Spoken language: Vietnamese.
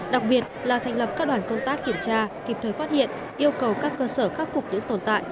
đặc biệt là thành lập các đoàn công tác kiểm tra kịp thời phát hiện yêu cầu các cơ sở khắc phục những tồn tại